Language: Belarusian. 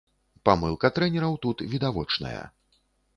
Памылка трэнераў тут відавочная.